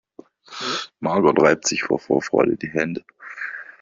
Margot reibt sich vor Vorfreude die Hände.